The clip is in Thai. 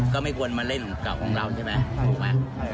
ก็ไม่ควรมาเล่นกับของเราใช่มะ